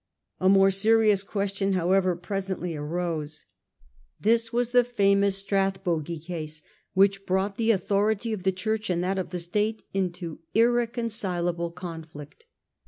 A more serious ques tion, however, presently arose. This was the famous 1839 41. TIIE STRATHBOGIE CASE. 219 Strathbogie case, which brought the authority of the Church and that of the State into irreconcilable conflict.